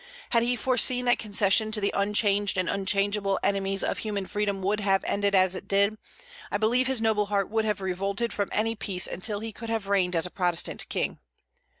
Had he foreseen that concession to the unchanged and unchangeable enemies of human freedom would have ended as it did, I believe his noble heart would have revolted from any peace until he could have reigned as a Protestant king.